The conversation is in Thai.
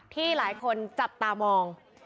ที่หลายคนจับตามอง